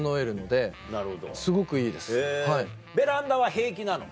ベランダは平気なの？